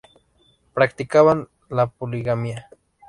Practicaban la poligamia.